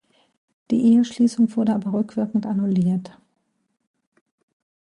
Die Eheschließung wurde aber rückwirkend annulliert.